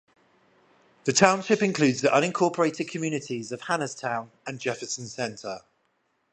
The township includes the unincorporated communities of Hannahstown and Jefferson Center.